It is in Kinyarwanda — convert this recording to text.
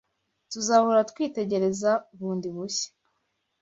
Tuzahora twitegereza bundi bushya,